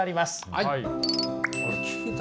はい。